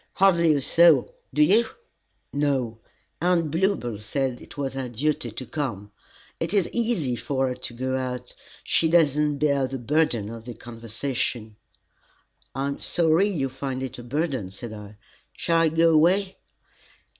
"Hardly a soul! Do you?" "No. Aunt Bluebell said it was our duty to come. It is easy for her to go out; she does not bear the burden of the conversation." "I am sorry you find it a burden," said I. "Shall I go away?"